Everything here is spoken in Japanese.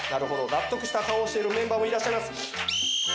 納得した顔をしているメンバーもいらっしゃいます。